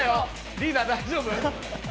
リーダー大丈夫？